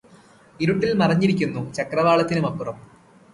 ഇരുട്ടില് മറഞ്ഞിരിക്കുന്നു ചക്രവാളത്തിനുമപ്പുറം